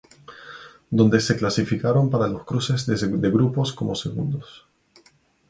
Donde se clasificaron para los cruces de grupos como segundos.